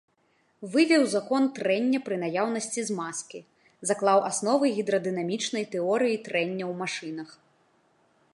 Вывеў закон трэння пры наяўнасці змазкі, заклаў асновы гідрадынамічнай тэорыі трэння ў машынах.